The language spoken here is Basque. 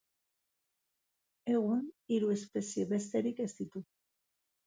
Egun, hiru espezie besterik ez ditu.